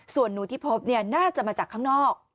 ส่วนหนูที่พบน่าจะมาจากข้างนอก